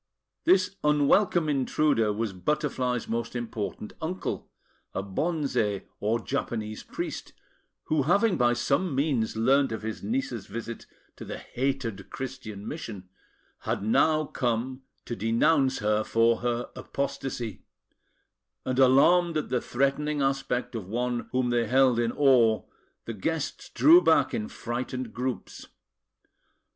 This unwelcome intruder was Butterfly's most important uncle, a Bonze, or Japanese priest, who, having by some means learnt of his niece's visit to the hated Christian mission, had now come to denounce her for her apostasy; and, alarmed at the threatening aspect of one whom they held in awe, the guests drew back in frightened groups.